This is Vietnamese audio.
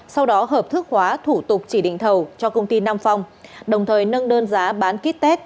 sau đó hợp thức hóa thủ tục chỉ định thầu cho công ty nam phong đồng thời nâng đơn giá bán ký test